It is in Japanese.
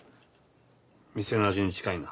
店の味に近いな。